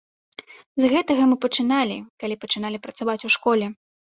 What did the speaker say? З гэтага мы пачыналі, калі пачыналі працаваць у школе.